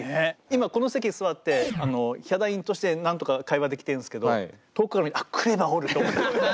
今この席に座ってヒャダインとしてなんとか会話できてるんですけど遠くから見て「あっＫＲＥＶＡおる」と思って。